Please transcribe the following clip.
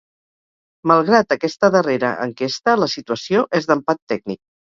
Malgrat aquesta darrera enquesta, la situació és d’empat tècnic.